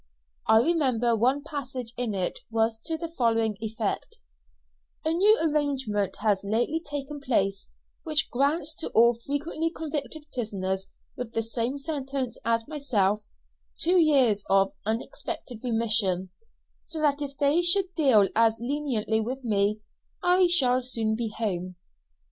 I remember one passage in it was to the following effect: "A new arrangement has lately taken place, which grants to all frequently convicted prisoners with the same sentence as myself, two years of unexpected remission, so that if they should deal as leniently with me, I shall soon be home."